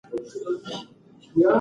اوس به هغه سړی تل پښېمانه وي.